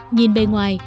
nhìn bên ngoài